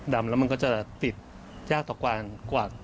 ดำแล้วมันก็จะติดยากต่อกวาดกวาด